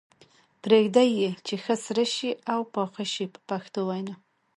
پرېږدي یې چې ښه سره شي او پاخه شي په پښتو وینا.